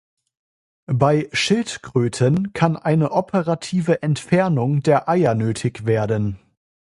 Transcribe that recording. Bei Schildkröten kann eine operative Entfernung der Eier nötig werden.